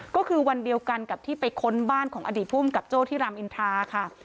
ก็คือวันเดียวกันกับที่ไปค้นบ้านของอดีตภูมิกับโจ้ที่รามอินทราค่ะ